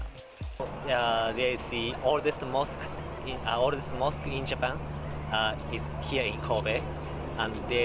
halal restoran jepang tidak banyak